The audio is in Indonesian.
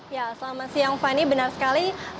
ya selamat siang fani benar sekali